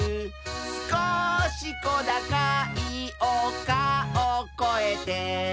「すこしこだかいおかをこえて」